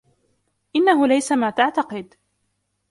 إنه ليس ما تعتقد!